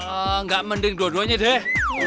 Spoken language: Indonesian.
enggak mending dua duanya deh